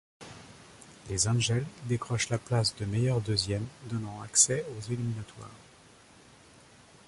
Les Angels décrochent la place de meilleurs deuxièmes donnant accès aux éliminatoires.